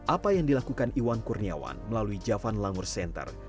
apa yang dilakukan iwan kurniawan melalui javan langur center